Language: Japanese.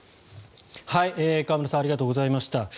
河村さんありがとうございました。